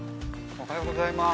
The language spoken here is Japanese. おはようございます。